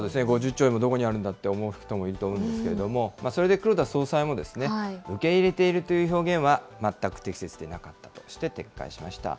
５０兆円も、どこにあるんだって思う人もいると思うんですけれども、それで黒田総裁も受け入れているという表現は全く適切ではなかったとして、撤回しました。